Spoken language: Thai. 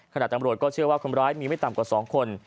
ตำรวจก็เชื่อว่าคนร้ายมีไม่ต่ำกว่า๒คน